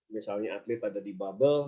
misalnya atlet ada di bubble